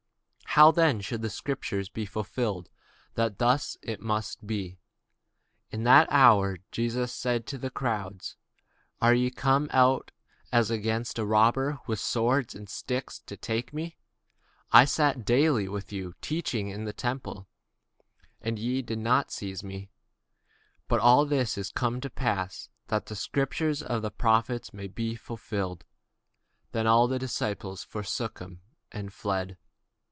But how then shall the scriptures be fulfilled, that thus it must be? In that same hour said Jesus to the multitudes, Are ye come out as against a thief with swords and staves for to take me? I sat daily with you teaching in the temple, and ye laid no hold on me. But all this was done, that the scriptures of the prophets might be fulfilled. Then all the disciples forsook him, and fled.